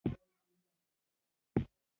د ډر سردار سروکی د جمعې په ورځ را په ياد شو.